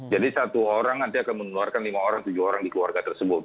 jadi satu orang nanti akan meneluarkan lima tujuh orang di keluarga tersebut